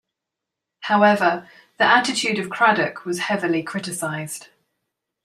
However, the attitude of Cradock was heavily criticised.